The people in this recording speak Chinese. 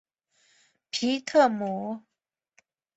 皮特姆。